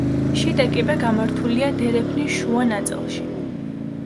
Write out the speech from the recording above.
შიდა კიბე გამართულია დერეფნის შუა ნაწილში.